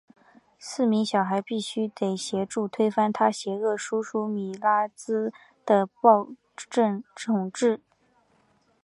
四名小孩必须得协助推翻他邪恶叔叔米拉兹的暴政统治。